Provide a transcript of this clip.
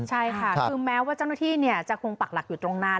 ใช่ค่ะคือแม้ว่าเจ้าหน้าที่จะคงปักหลักอยู่ตรงนั้น